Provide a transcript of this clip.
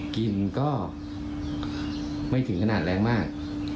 กินก็ไม่ถึงขนาดแรงมาก